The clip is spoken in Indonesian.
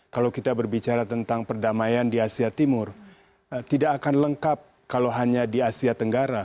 kalau kita berbicara tentang perdamaian di asia timur tidak akan lengkap kalau hanya di asia tenggara